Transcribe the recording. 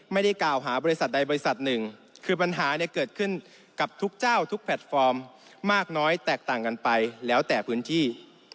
ไม่ได้กล่าวหาบริษัทใดบริษัทหนึ่งคือปัญหาเนี่ยเกิดขึ้นกับทุกเจ้าทุกแพลตฟอร์มมากน้อยแตกต่างกันไปแล้วแต่พื้นที่